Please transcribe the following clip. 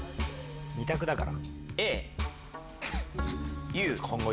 ２択だから。